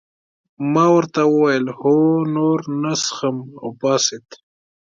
ما ورته وویل هو نور نه څښم او پاڅېد.